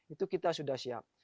itu kita sudah siap